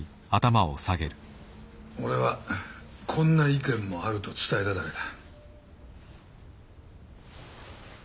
俺は「こんな意見もある」と伝えただけだ。